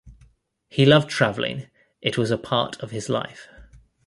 He loved travelling, it was a part of his life.